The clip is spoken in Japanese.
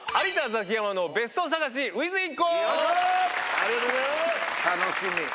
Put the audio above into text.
ありがとうございます！